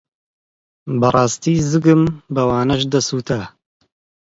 بەڕاستی زگم بەوانەش دەسووتا.